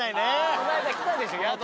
この間来たでしょ宿で。